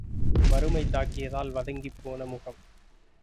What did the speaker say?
வறுமை தாக்கியதால் வதங்கிப்போன முகம்.